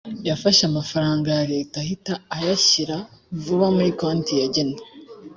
yafashe amafaranga ya leta ahita ayashyira vuba kuri konti yagenwe